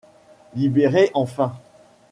Libérez enfin!